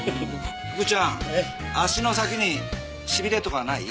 福ちゃん足の先にしびれとかはない？